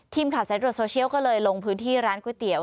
สายตรวจโซเชียลก็เลยลงพื้นที่ร้านก๋วยเตี๋ย